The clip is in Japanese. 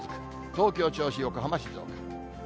東京、銚子、横浜、静岡。